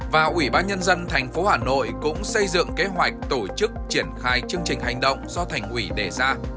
và ủy ban nhân dân thành phố hà nội cũng xây dựng kế hoạch tổ chức triển khai chương trình hành động do thành ủy đề ra